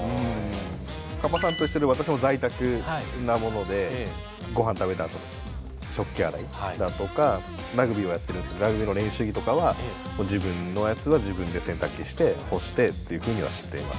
カッパさんと一緒で私も在宅なものでご飯食べたあとの食器洗いだとかラグビーをやってるんですけどラグビーの練習着とかは自分のやつは自分で洗濯機して干してっていうふうにはしています。